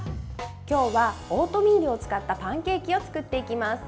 今日はオートミールを使ったパンケーキを作っていきます。